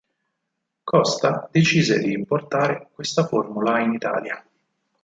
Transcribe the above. Costa decise di importare questa formula in Italia.